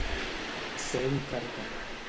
Ser un carca.